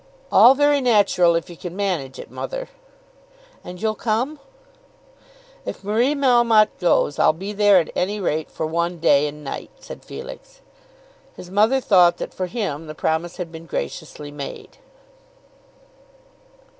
"All very natural if you can manage it, mother." "And you'll come?" "If Marie Melmotte goes, I'll be there at any rate for one day and night," said Felix. His mother thought that, for him, the promise had been graciously made.